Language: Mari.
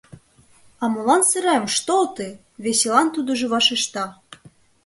А молан сырем, что ты! — веселан тудыжо вашешта.